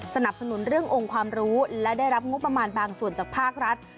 สนับสนุนเรื่ององค์ความรู้และได้รับงบประมาณบางส่วนจากภาครัฐ